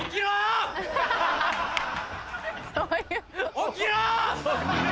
起きろ！